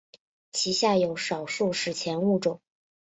其下有少数史前物种。